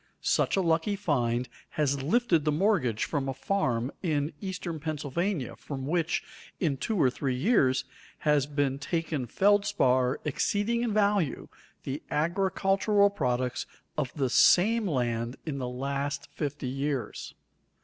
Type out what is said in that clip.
Such a lucky find has lifted the mortgage from a farm in eastern Pennsylvania, from which, in two or three years, has been taken feldspar exceeding in value the agricultural products of the same land in the last fifty years.